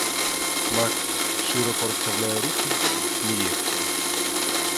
Макс широко розставляє руки й сміється.